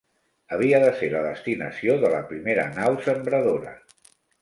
Havia de ser la destinació de la primera nau sembradora.